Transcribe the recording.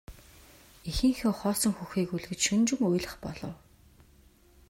Эхийнхээ хоосон хөхийг үлгэж шөнөжин уйлах болов.